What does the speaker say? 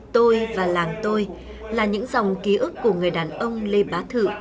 tôi và làng tôi là những dòng ký ức của người đàn ông lê bá thự